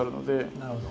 なるほど。